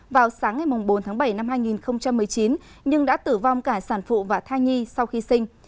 vào sáng ngày bốn tháng bảy năm hai nghìn một mươi chín nhưng đã tử vong cả sản phụ và thai nhi sau khi sinh